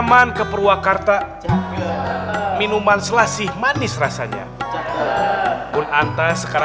dan kita berab harder untuk mengomunikasikan resenya dengan lebih republic